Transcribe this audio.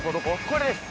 これです。